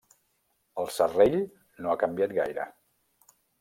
El serrell no ha canviat gaire.